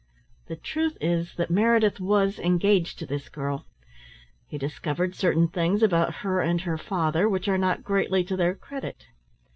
The truth is that Meredith was engaged to this girl; he discovered certain things about her and her father which are not greatly to their credit.